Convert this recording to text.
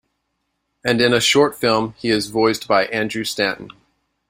And in a short film he is voiced by Andrew Stanton.